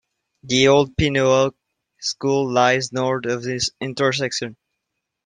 The old Pinoak School lies north of this intersection.